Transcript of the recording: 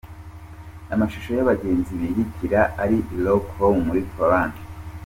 Amashusho y’abagenzi bihitira ari i Wroclaw muri Poland.